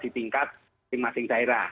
di tingkat masing masing daerah